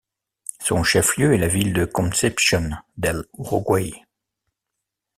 Son chef-lieu est la ville de Concepción del Uruguay.